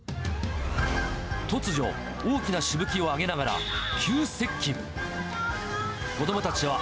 突如、大きなしぶきを上げながら、急接近。